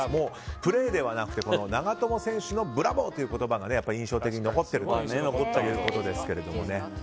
プレーではなくて長友選手のブラボーという言葉が印象的に残っているということですけども。